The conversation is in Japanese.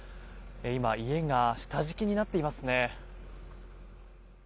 今、家が下敷きになっていますね。